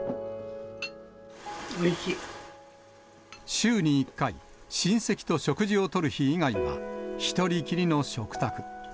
週に１回、親戚と食事をとる日以外は、１人きりの食卓。